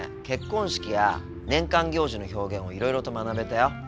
結婚式や年間行事の表現をいろいろと学べたよ。